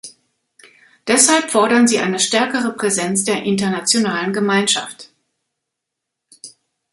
Deshalb fordern sie eine stärkere Präsenz der internationalen Gemeinschaft.